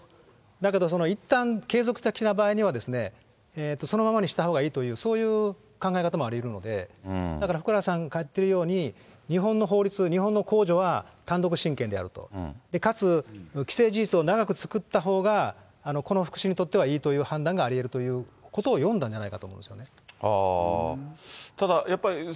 だけど、いったん継続した場合には、そのままにしたほうがいいという、そういう考え方もありえるので、だから福原さんが言ってるように、日本の法律、日本のこうじょは単独親権であると。かつ既成事実を長く作ったほうが、この福祉にとってはいいという判断がありえるということを読んだんじゃないかと思うんですよね。